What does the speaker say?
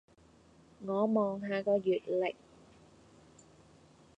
我望下個月曆